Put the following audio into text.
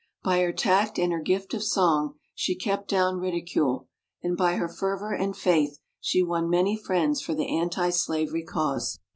By her tact and her gift of song she kept down ridicule, and by her fervor and faith she won many friends for the anti slavery cause.